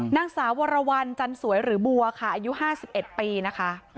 นางสาววรวรรณจันสวยหรือบัวค่ะอายุ๕๑ปีนะคะ